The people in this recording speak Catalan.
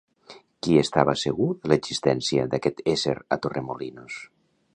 Qui estava segur de l'existència d'aquest ésser a Torremolinos?